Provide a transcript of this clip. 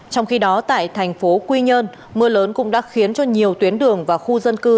trong khi đó tại thành phố quy nhơn mưa lớn cũng đã khiến cho nhiều tuyến đường và khu dân cư